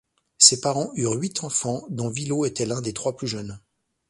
Ses parents eurent huit enfants dont Vilho était l'un des trois plus jeunes.